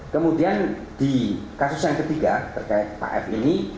kemudian di kasus yang ketiga terkait paf ini